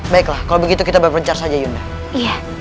baiklah kalau begitu kita berpencar saja yunda iya ayo